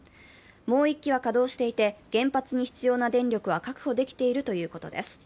もう１基は稼働していて、原発に必要な電力は確保できているということです。